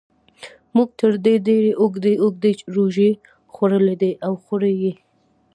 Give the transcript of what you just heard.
موږ تر دې ډېرې اوږدې اوږدې روژې خوړلې دي او خورو یې.